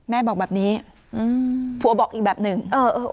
แม่บอกแบบนี้อืมผัวบอกอีกแบบหนึ่งเออเออ